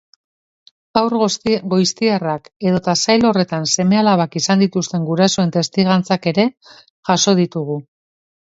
Haur goiztiarrak edota sail horretan seme-alabak izan dituzten gurasoen testigantzak ere jaso ditugu.